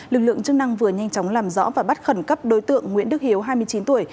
lực lượng chức năng vừa nhanh chóng làm rõ và bắt khẩn cấp đối tượng nguyễn đức hiếu hai mươi chín tuổi